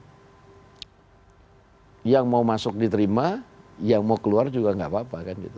nah sehingga apapun itu ya yang mau masuk diterima yang mau keluar juga enggak apa apa kan gitu